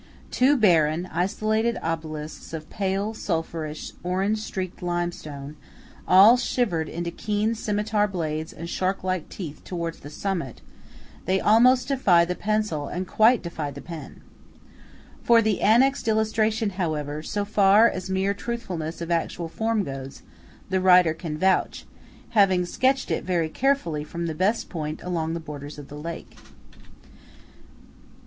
Two barren isolated obelisks of pale, sulphurous, orange streaked limestone, all shivered into keen scimitar blades and shark like teeth towards the summit, they almost defy the pencil and quite defy the pen. For the annexed illustration, however, so far as mere truthfulness of actual form goes, the writer can vouch, having sketched it very carefully from the best point along the borders of the lake. THE DREI ZINNEN.